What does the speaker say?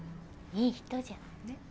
いい人じゃん。ね。